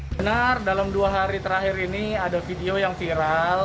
benar dalam dua hari terakhir ini ada video yang viral